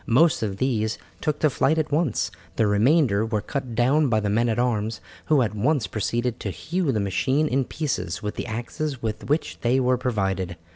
Most of these took to flight at once, the remainder were cut down by the men at arms, who at once proceeded to hew the machine in pieces with the axes with which they were provided.